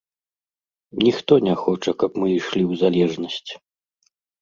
Ніхто не хоча, каб мы ішлі ў залежнасць.